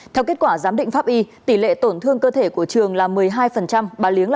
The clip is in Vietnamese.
theo kết quả giám định pháp y tỷ lệ tổn thương cơ thể của trường là một mươi hai bà liếng là bốn mươi ba còn bảo bị thương nhẹ